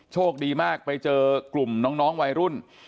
โชคดีมากไปเจอกลุ่มน้องวัยรุ่น